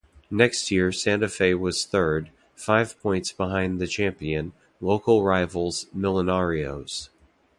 Next year Santa Fe was third, five points behind the champion, local rivals Millonarios.